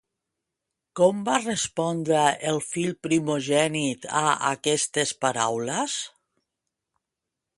Com va respondre el fill primogènit a aquestes paraules?